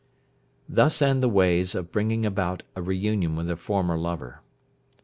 Thus end the ways of bringing about a re union with a former lover.